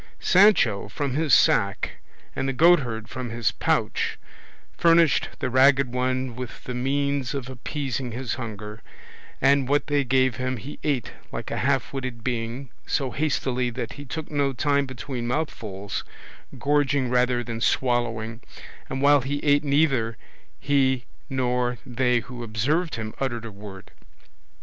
Sancho from his sack, and the goatherd from his pouch, furnished the Ragged One with the means of appeasing his hunger, and what they gave him he ate like a half witted being, so hastily that he took no time between mouthfuls, gorging rather than swallowing; and while he ate neither he nor they who observed him uttered a word.